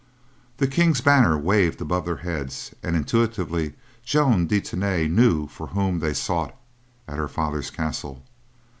The King's banner waved above their heads, and intuitively, Joan de Tany knew for whom they sought at her father's castle.